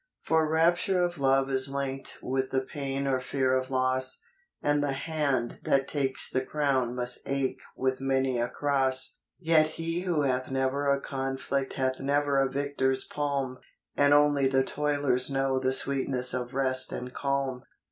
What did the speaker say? For rapture of love is linked with the pain or fear of loss, And the hand that takes the crown must ache with many a cross; Yet he who hath never a conflict hath never a victor's palm, And only the toilers know the sweetness of rest and calm.